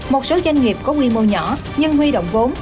một số doanh nghiệp có nguy mô nhỏ nhưng nguy động vốn